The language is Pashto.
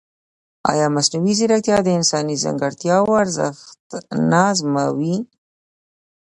ایا مصنوعي ځیرکتیا د انساني ځانګړتیاوو ارزښت نه ازموي؟